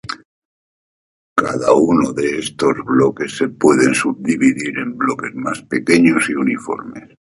Cada uno de estos bloques se pueden subdividir en bloques más pequeños y uniformes.